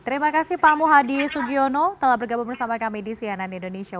terima kasih pak muhadi sugiono telah bergabung bersama kami di cnn indonesia